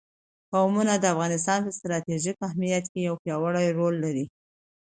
قومونه د افغانستان په ستراتیژیک اهمیت کې یو پیاوړی رول لري.